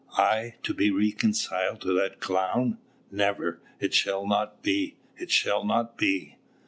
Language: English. I to be reconciled to that clown! Never! It shall not be, it shall not be!"